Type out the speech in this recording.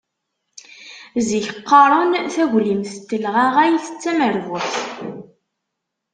Zik qqaren taglimt n telɣaɣayt d tamerbuḥt.